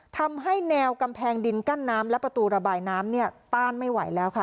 ทำให้แนวกำแพงดินกั้นน้ำและประตูระบายน้ำเนี่ยต้านไม่ไหวแล้วค่ะ